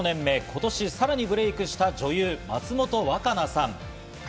今年さらにブレークした女優・松本若菜さん。